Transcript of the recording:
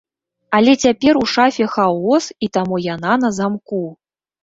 Але цяпер у шафе хаос і таму яна на замку.